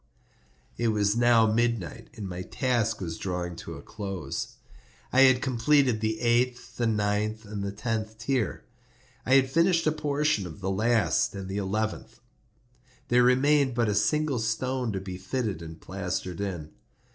It was now midnight, and my task was drawing to a close. I had completed the eighth, the ninth, and the tenth tier. I had finished a portion of the last and the eleventh; there remained but a single stone to be fitted and plastered in.